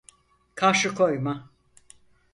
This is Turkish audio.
Karşı koyma.